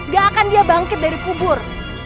gak akan dia bangkit dari kubur